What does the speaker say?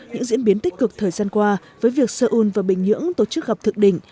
những diễn biến tích cực thời gian qua với việc seoul và bình nhưỡng tổ chức gặp thượng đỉnh